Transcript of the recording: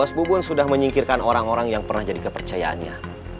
mas bubun sudah menyingkirkan orang orang yang pernah jadi kepercayaannya